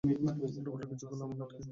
উল্টোপাল্টা কিছু করলে আমায় আটকিও।